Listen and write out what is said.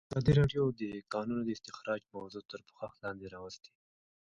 ازادي راډیو د د کانونو استخراج موضوع تر پوښښ لاندې راوستې.